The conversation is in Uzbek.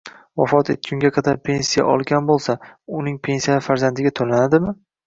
Vafot etgunga qadar pensiya olgan bo‘lsa, uning pensiyasi farzandiga to‘lanadimi?